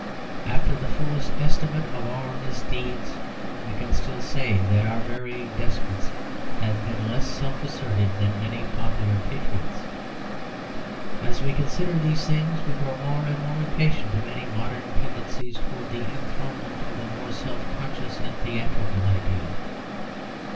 After the fullest estimate of our misdeeds we can still say that our very despots have been less self assertive than many popular patriots. As we consider these things we grow more and more impatient of any modern tendencies towards the enthronement of a more self conscious and theatrical ideal.